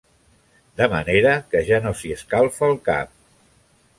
De manera que ja no s'hi escalfa el cap.